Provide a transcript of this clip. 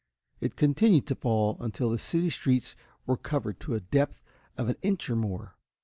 It continued to fall until the city streets were covered to a depth of an inch or more.